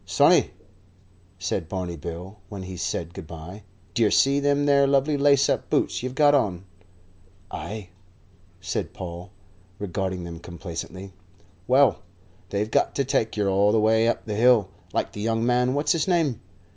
"Sonny," said Barney Bill, when he said good bye, "d'yer see them there lovely lace up boots you've got on?" "Ay," said Paul, regarding them complacently. "Well, they've got to take yer all the way up the hill, like the young man what's his name?